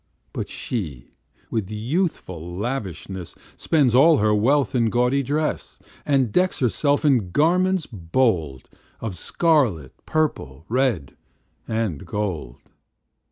But she, with youthful lavishness, Spends all her wealth in gaudy dress, And decks herself in garments bold Of scarlet, purple, red, and gold.